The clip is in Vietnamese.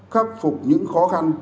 khắc phục những khó khăn